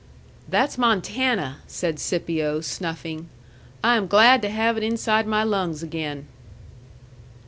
"That's Montana!" said Scipio, snuffing. "I am glad to have it inside my lungs again."